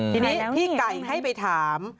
ทีนี้พี่ไก่ให้ไปถาม